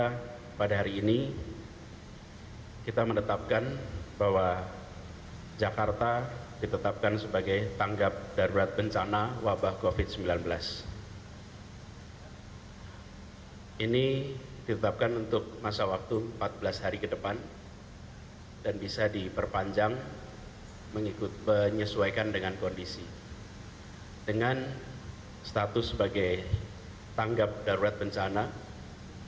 celebala nasional maka pada hari ini kita menetapkan bahwa jakarta ditetapkan sebagai akan terbaik darat bencana wbh covid sembilan belas karena ini diletakkan untuk masa waktu empat belas hari kedepan dan bisa diperpanjang mengikut penyesuaikan dengan kondisi dengan status sebagai tangga roll cutter ppp tiga chuk doc membrane dan jakarta magnetic glass